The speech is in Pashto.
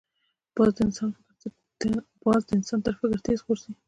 باز د انسان تر فکر تېز غورځي